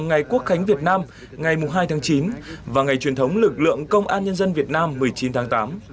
ngày quốc khánh việt nam ngày hai tháng chín và ngày truyền thống lực lượng công an nhân dân việt nam một mươi chín tháng tám